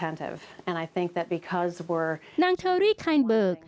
นางเธอรี่คายน์เบิร์ก